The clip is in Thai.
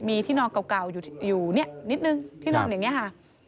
มีที่นอนเก่าอยู่เนี่ยนิดนึงที่นอนอย่างนี้ค่ะ